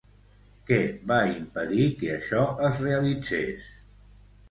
Què va impedir que això es realitzés?